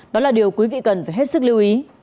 đó là điều quý vị cần phải hết sức lưu ý